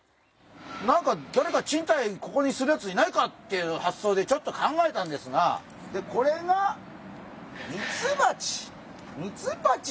何かだれか賃貸ここにするヤツいないかっていう発想でちょっと考えたんですがでこれがミツバチ！